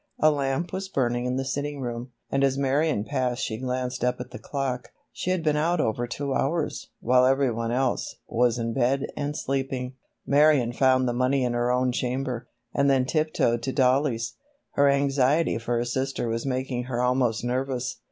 A lamp was burning in the sitting room, and as Marion passed she glanced up at the clock. She had been out over two hours, while every one else was in bed and sleeping. Marion found the money in her own chamber, and then tip toed to Dollie's. Her anxiety for her sister was making her almost nervous.